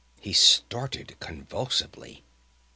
He started convulsively.